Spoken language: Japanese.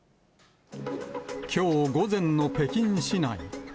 きょう午前の北京市内。